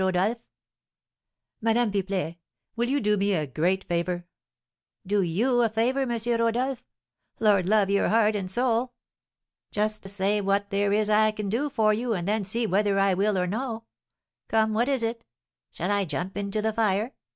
Rodolph?" "Madame Pipelet, will you do me a great favour?" "Do you a favour, M. Rodolph? Lord love your heart and soul! Just say what there is I can do for you, and then see whether I will or no. Come, what is it? Shall I jump into the fire?